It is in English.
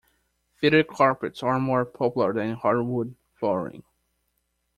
Fitted carpets are more popular than hardwood flooring